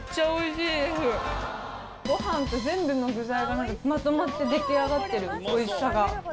ご飯と全部の具材がまとまって出来上がってるおいしさが。